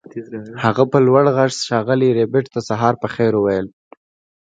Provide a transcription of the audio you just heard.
هغه په لوړ غږ ښاغلي ربیټ ته سهار په خیر وویل